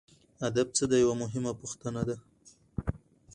ادب څه دی یوه مهمه پوښتنه ده.